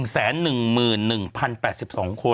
๑แสน๑หมื่น๑๐๘๒คน